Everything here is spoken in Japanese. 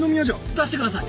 出してください！